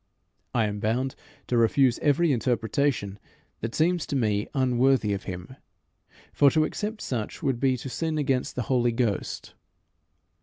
I am bound to refuse every interpretation that seems to me unworthy of Him, for to accept such would be to sin against the Holy Ghost.